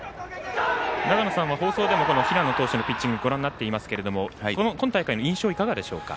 長野さんは放送でも平野投手のピッチングご覧になっていますが今大会の印象どうでしょうか。